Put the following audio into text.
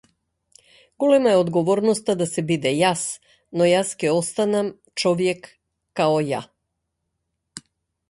Голема е одговорноста да се биде јас, но јас ќе останам човјек као ја.